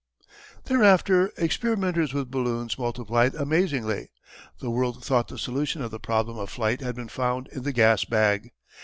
Thereafter experimenters with balloons multiplied amazingly. The world thought the solution of the problem of flight had been found in the gas bag.